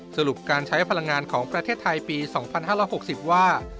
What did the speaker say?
สรุปการใช้พลังงานของประเทศไทยปี๒๕๖๐ว่า